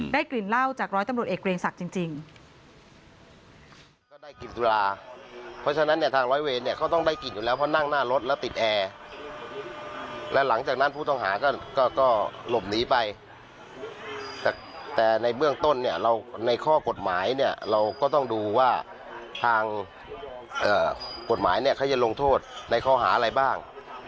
กลิ่นเหล้าจากร้อยตำรวจเอกเกรงศักดิ์จริง